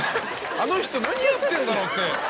あの人何やってんだろ？って。